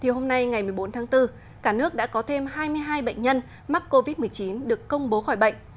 hôm nay ngày một mươi bốn tháng bốn cả nước đã có thêm hai mươi hai bệnh nhân mắc covid một mươi chín được công bố khỏi bệnh